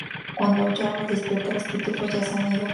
Cuando Gargamel despierta, los pitufos ya se han ido.